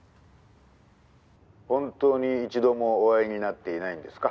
「本当に一度もお会いになっていないんですか？」